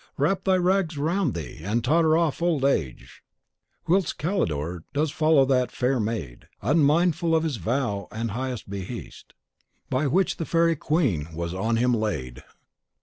Wrap thy rags round thee, and totter off, Old Age! CHAPTER 4.VI. Whilest Calidore does follow that faire mayd, Unmindful of his vow and high beheast Which by the Faerie Queene was on him layd.